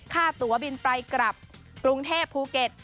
ค่าตัวบินไปกลับกรุงเทพภูเก็ต